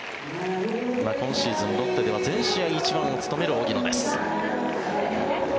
今シーズン、ロッテでは全試合１番を務める荻野です。